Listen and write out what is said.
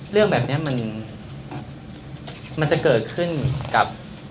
เรื่องแบบนี้มันจะเกิดขึ้นกับ